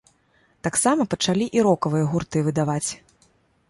Таксама пачалі і рокавыя гурты выдаваць.